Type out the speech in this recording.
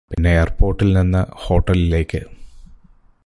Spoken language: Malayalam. പിന്നെ എയർപോർട്ടിൽ നിന്ന് ഹോട്ടലിലേക്ക്